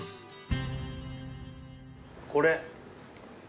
これ。